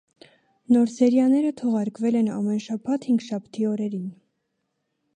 Նոր սերիաները թողարկվել են ամեն շաբաթ, հինգշաբթի օրերին։